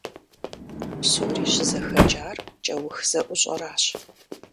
Псори щызэхэкӀар кӀэух зэӀущӀэращ.